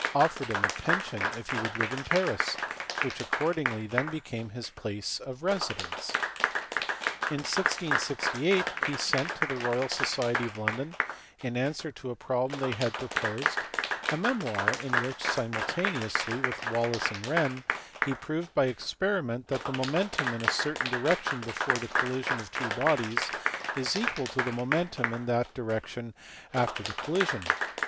offered him a pension if he would live in Paris, which accordingly then became his place of residence. In 1668 he sent to the Royal Society of London, in answer to a problem they had proposed, a memoir in which (simultane ously with Wallis and Wren) he proved by experiment that the momentum in a certain direction before the collision of two bodies is equal to the momentum in that direction after the collision.